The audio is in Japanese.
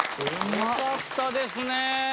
よかったですね！